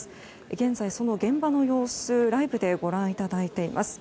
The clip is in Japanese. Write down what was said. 現在、その現場の様子ライブでご覧いただいています。